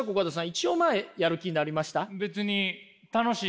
一応まあやる気になりました？